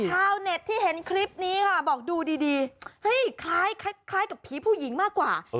ชาวเน็ตที่เห็นคลิปนี้ค่ะบอกดูดีเฮ้ยคล้ายกับผีผู้หญิงมากกว่า